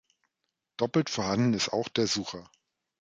Doppelt vorhanden ist auch der Sucher.